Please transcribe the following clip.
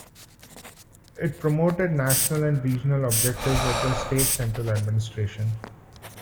It promoted national and regional objectives of the State central administration.